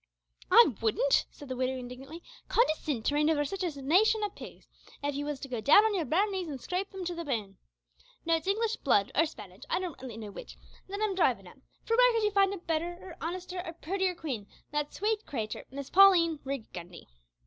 "I wouldn't," said the widow indignantly, "condescind to reign over sitch a nation o' pigs, av ye was to go down on yer bare knees an' scrape them to the bone. No, it's English blood, or Spanitch, I don't rightly know which, that I'm drivin' at, for where could ye find a better, or honester, or purtier queen than that swate creetur, Miss Pauline Rig Gundy?"